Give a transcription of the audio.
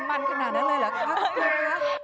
เล่นมันขนาดนั้นเลยเหรอคะ